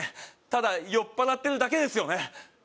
ただ酔っ払ってるだけですよね？